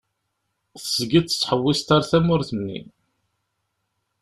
Tezgiḍ tettḥewwiseḍ ar tmurt-nni.